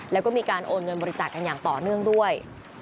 แล้วก็มีการโอนเงินบริจาคกันอย่างต่อเนื่องด้วย